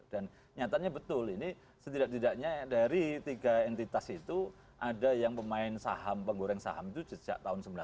dan nyatanya betul ini setidak tidaknya dari tiga entitas itu ada yang pemain saham penggoreng saham itu sejak tahun sembilan puluh tujuh